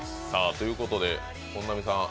ということで、本並さん